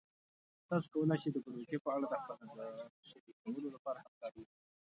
تاسو کولی شئ د پروژې په اړه د خپل نظر شریکولو لپاره همکاري وکړئ.